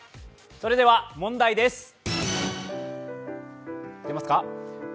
それでは問題です。